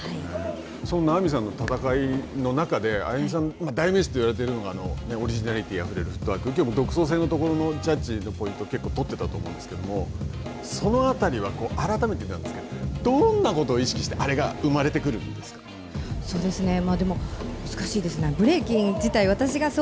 そんなＡＭＩさんとの戦いの中で、ＡＹＵＭＩさんと、代名詞といわれている、オリジナルティーあふれるフットワーク、独創性のところのジャッジ、結構取っていたと思うんですけど、そのあたりは、改めてなんですけれども、どんなことを意識してあれが生まれてくるんですか。